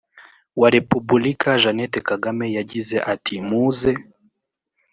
wa repubulika jeannette kagame yagize ati muze